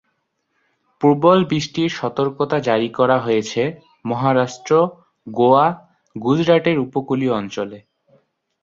প্রবল বৃষ্টির সতর্কতা জারি করা হয়েছে মহারাষ্ট্র, গোয়া, গুজরাটের উপকূলীয় অঞ্চলে।